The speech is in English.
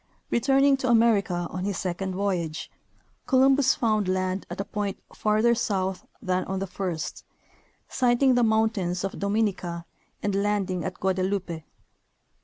Returning to America on his second voyage, Columbus found land at a point farther south than on the first, sighting the mountains of Dominica and landing at Guadeloupe.